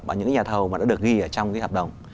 và những cái nhà thầu mà đã được ghi ở trong cái hợp đồng